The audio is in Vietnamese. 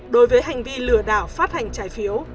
đối với hành vi lừa đảo phát hành trái phiếu